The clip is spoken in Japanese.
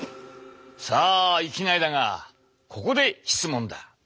さあいきなりだがここで質問だ。